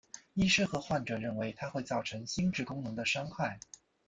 医师和患者认为它会造成心智功能的伤害。